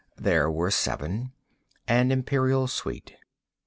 There were seven—an imperial suite.